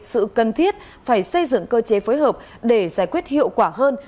sự cần thiết phải xây dựng cơ chế phối hợp để giải quyết hiệu quả hơn